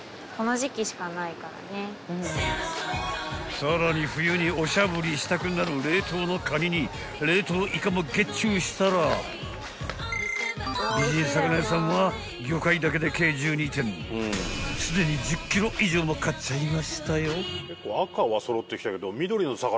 ［さらに冬におしゃぶりしたくなる冷凍のかにに冷凍いかもゲッチューしたら美人魚屋さんは魚介だけで計１２点すでに１０ｋｇ以上も買っちゃいましたよ］